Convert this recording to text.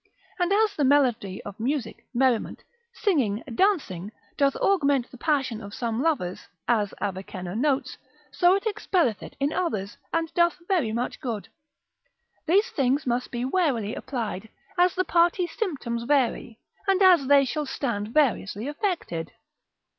And as the melody of music, merriment, singing, dancing, doth augment the passion of some lovers, as Avicenna notes, so it expelleth it in others, and doth very much good. These things must be warily applied, as the parties' symptoms vary, and as they shall stand variously affected.